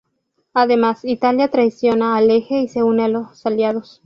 Además, Italia traiciona al Eje y se une los aliados.